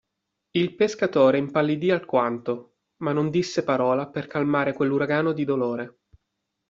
Il pescatore impallidì alquanto; ma non disse parola per calmare quell'uragano di dolore.